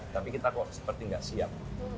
tapi kita kok seperti nggak siap